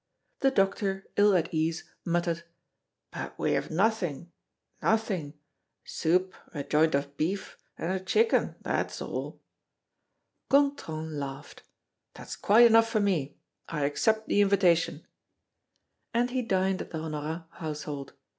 '" The doctor, ill at ease, muttered: "But we have nothing, nothing soup, a joint of beef, and a chicken, that's all!" Gontran laughed: "That's quite enough for me. I accept the invitation." And he dined at the Honorat household.